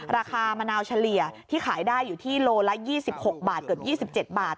ราคามะนาวเฉลี่ยที่ขายได้อยู่ที่โลละ๒๖บาทเกือบ๒๗บาท